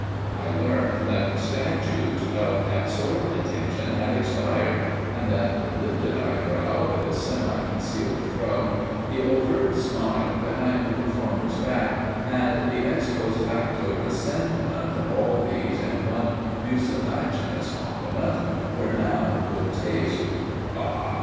I learned that the statute of Absorbed Attention had expired, and that the lifted eyebrow, the semi concealed shrug, the overt smile behind the performer's back, and the ex post facto rescindment of all these in one mucilaginous compliment, were now good taste. Bah!